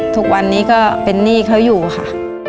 ทุกวันนี้ก็เป็นหนี้เขาอยู่ค่ะ